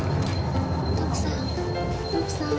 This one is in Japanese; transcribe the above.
徳さん。